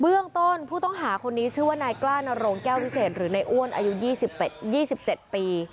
เบื้องต้นผู้ต้องหาคนนี้ชื่อว่านายกล้านโรงแก้ววิเศษหรือในอ้วนอายุ๒๗ปี